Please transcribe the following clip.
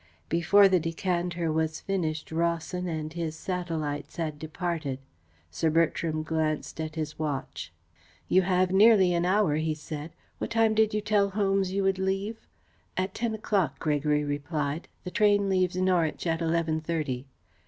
Before the decanter was finished Rawson and his satellites had departed. Sir Bertram glanced at his watch. "You have nearly an hour," he said. "What time did you tell Holmes you would leave?" "At ten o'clock," Gregory replied. "The train leaves Norwich at eleven thirty."